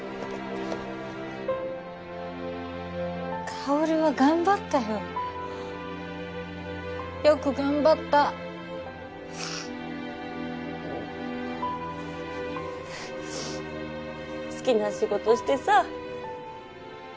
薫は頑張ったよよく頑張った好きな仕事してさ